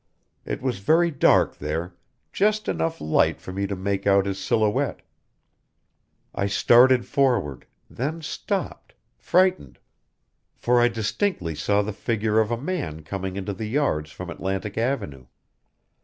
It was very dark there just enough light for me to make out his silhouette. I started forward then stopped: frightened. "For I distinctly saw the figure of a man coming into the yards from Atlantic Avenue.